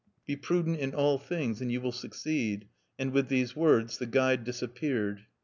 "Be prudent in all things, and you will succeed." And with these words, the guide disappeared.